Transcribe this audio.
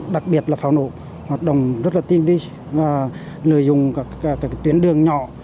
đặc biệt là pháo nổ hoạt động rất là tinh vi và lợi dụng các tuyến đường nhỏ